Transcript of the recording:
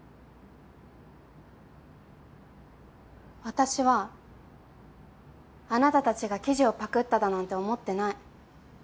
私はあなたたちが記事をパクっただなんて思ってない。